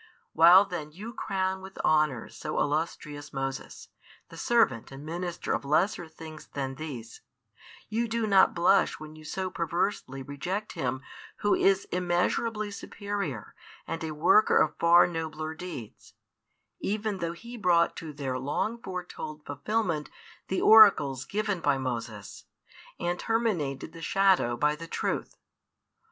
While then you crown with honours so illustrious Moses, the servant and minister of lesser things than these, you do not blush when you so perversely reject Him Who is immeasurably superior and a worker of far nobler deeds; even though He brought to their long foretold fulfilment the oracles given by Moses, and terminated the shadow by the truth.